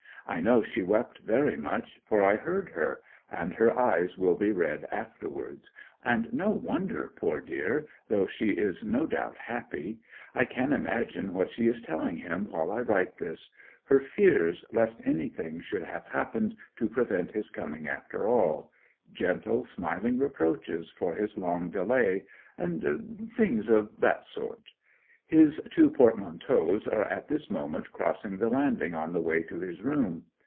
I know she wept very much, for I heard her; and her eyes will be red afterwards, and no wonder, poor dear, though she is no doubt happy. I can imagine what she is telling him while I write this her fears lest anything should have happened to prevent his coming after all gentle, smiling reproaches for his long delay; and things of that sort. His two portmanteaus are at this moment crossing the landing on the way to his room.